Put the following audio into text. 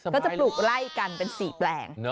ก็จะปลูกไล่กันเป็น๔แปลง